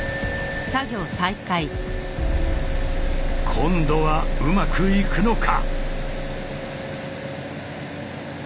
今度はうまくいくのか。